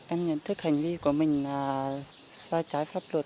em nhận thức hành vi của mình là sai trái pháp luật